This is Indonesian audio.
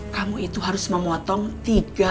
kamu itu harus memotong